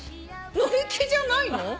乗り気じゃないの？